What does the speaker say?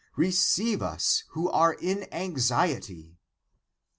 Receive us, who are in anxiety